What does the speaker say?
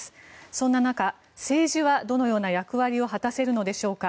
そんな中、政治はどのような役割を果たせるのでしょうか。